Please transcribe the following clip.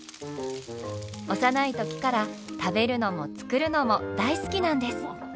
幼い時から食べるのも作るのも大好きなんです。